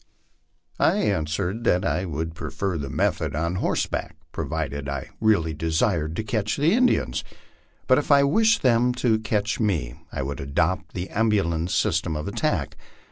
I answered that " I would prefer the method on horseback provided I really desired to catch the Indians ; but if I wished them to catch me, I would adopt the ambulance system of attack."